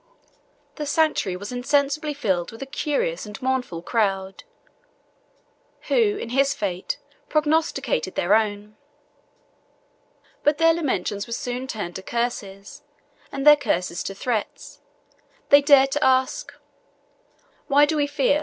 The sanctuary was insensibly filled with a curious and mournful crowd, who, in his fate, prognosticated their own. But their lamentations were soon turned to curses, and their curses to threats: they dared to ask, "Why do we fear?